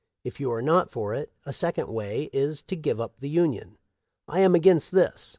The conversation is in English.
If you are not for it, a second way is, to give up the Union. I am against this.